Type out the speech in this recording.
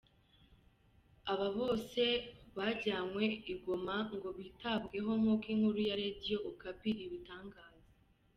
Aba bose bajyanywe i Goma ngo bitabweho nk’uko inkuru ya Radio Okapi ibitangaza.